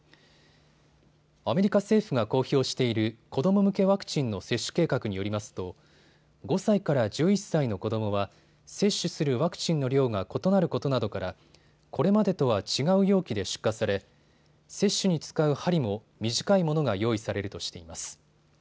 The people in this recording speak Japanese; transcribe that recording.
アメリカ政府が公表している子ども向けワクチンの接種計画によりますと５歳から１１歳の子どもは接種するワクチンの量が異なることなどからこれまでとは違う容器で出荷され接種に使う針も短いものが用意されるとしています。